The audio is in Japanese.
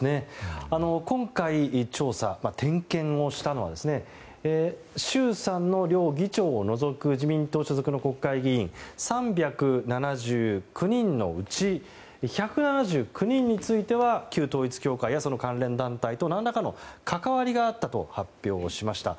今回、点検をしたのは衆参の両議長を除く自民党所属の国会議員３７９人のうち１７９人については旧統一教会やその関連団体と何らかの関わりがあったと発表しました。